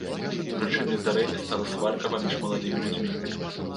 Прычынай здарэння стала сварка паміж маладымі людзьмі.